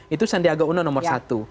itu sandiaga uno nomor satu